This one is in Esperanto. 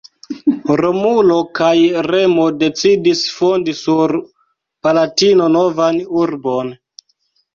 Romulo kaj Remo decidis fondi sur Palatino novan urbon.